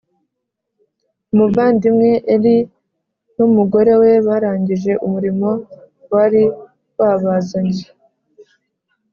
Umuvandimwe ellis n umugore we barangije umurimo wari wabazanye